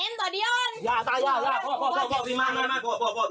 มาพ่อมาอย่าง